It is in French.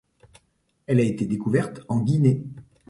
Elle a été découverte en Guinée.